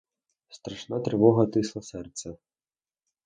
Страшна тривога тисла серце.